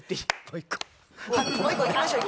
もう１個いきましょう。